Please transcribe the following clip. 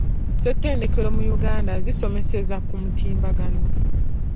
Ssettendekero mu Uganda zisomeseza ku mutimbagano.